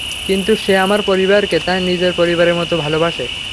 কিন্তু সে আমার পরিবারকে তার নিজের পরিবারের মতো ভালোবাসে।